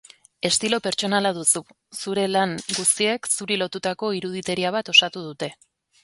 Estilo pertsonala duzu, zure lan guztiek zuri lotutako iruditeria bat osatu dute.